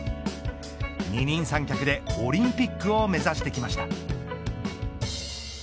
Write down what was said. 二人三脚でオリンピックを目指してきました。